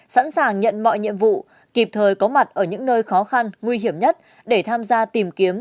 sẵn sàng nhận mọi nhiệm vụ kịp thời có mặt ở những nơi khó khăn nguy hiểm nhất để tham gia tìm kiếm